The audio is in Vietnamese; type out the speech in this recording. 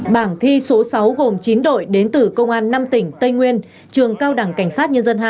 bảng thi số sáu gồm chín đội đến từ công an năm tỉnh tây nguyên trường cao đẳng cảnh sát nhân dân hai